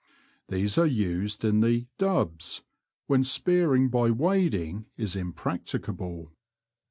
These are used in the ^^dubs" when spearing by wading is impracticable.